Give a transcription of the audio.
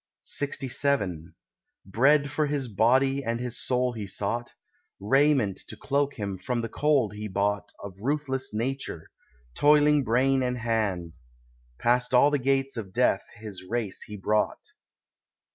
LXVII Bread for his body and his soul he sought, Raiment to cloak him from the cold he bought Of ruthless nature, toiling brain and hand; Past all the gates of death his race he brought.